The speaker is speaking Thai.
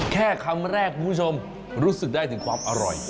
แค่คำแรกคุณผู้ชมรู้สึกได้ถึงความอร่อย